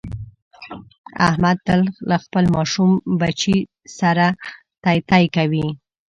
احمد تل له خپل ماشوم بچي سره تی تی کوي.